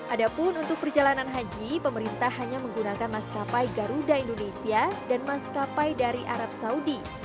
adapun untuk perjalanan haji pemerintah hanya menggunakan maskapai garuda indonesia dan maskapai dari arab saudi